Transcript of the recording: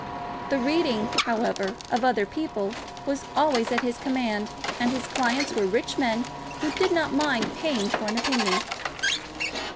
The reading, however, of other people was always at his command, and his clients were rich men who did not mind paying for an opinion.